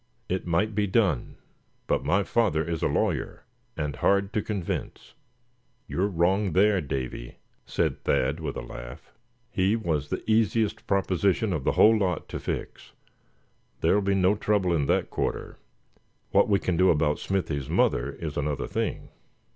It might be done; but my father is a lawyer, and hard to convince." "You're wrong there, Davy," said Thad, with a laugh; "he was the easiest proposition of the whole lot to fix. There'll be no trouble in that quarter. What we can do about Smithy's mother is another thing."